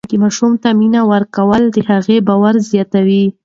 ماشوم ته مینه ورکول د هغه باور زیاتوي.